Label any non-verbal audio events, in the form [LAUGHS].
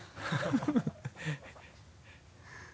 ハハハ [LAUGHS]